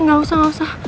nggak usah gak usah